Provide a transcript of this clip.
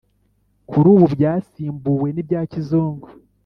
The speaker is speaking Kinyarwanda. kuri ubu byasimbuwe n’ibya kizungu,